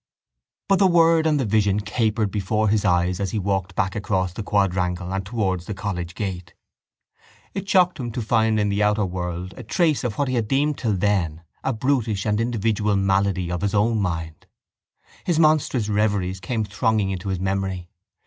But the word and the vision capered before his eyes as he walked back across the quadrangle and towards the college gate. It shocked him to find in the outer world a trace of what he had deemed till then a brutish and individual malady of his own mind. His monstrous reveries came thronging into his memory.